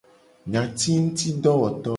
Nyatingutidowoto.